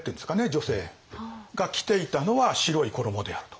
女性が着ていたのは白い衣であると。